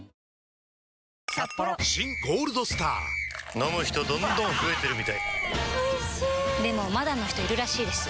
飲む人どんどん増えてるみたいおいしでもまだの人いるらしいですよ